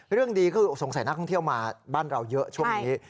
เรื่องดีคือสงสัยนักท่องเที่ยวมาบ้านเราเยอะช่วงนี้